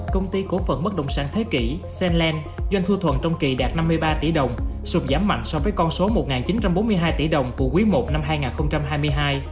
công ty cổ phần bất động sản thế kỷ senland doanh thu thuận trong kỳ đạt năm mươi ba tỷ đồng sụt giảm mạnh so với con số một chín trăm bốn mươi hai tỷ đồng của quý i năm hai nghìn hai mươi hai